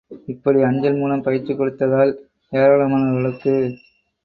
இப்படி அஞ்சல் மூலம் பயிற்சி கொடுத்ததால் ஏராளமானவர்களுக்கு.